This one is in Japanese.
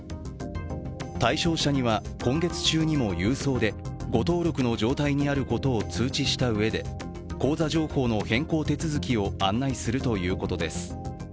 対象者は今月中にも郵送で誤登録の状態にあることを通知したうえで口座情報の変更手続きを案内するということです。